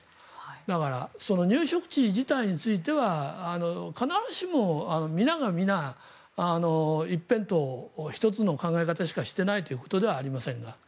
だから入植地自体については必ずしも皆が皆一辺倒、１つの考え方しかしていないということではありませんが。